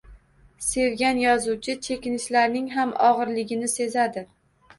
Sevgan yozuvchi chekinishlarning ham og’irligi seziladi.